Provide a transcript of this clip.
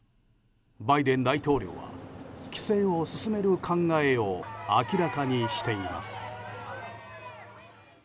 バイデン大統領は規制を進める考えを明らかにしています。